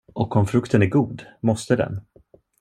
Och om frukten är god måste den.